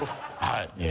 はい。